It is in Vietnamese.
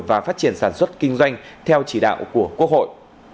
và phát triển sản xuất kinh doanh theo chỉ đạo của quốc hội